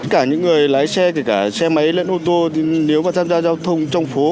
cả những người lái xe xe máy ô tô nếu mà tham gia giao thông trong phố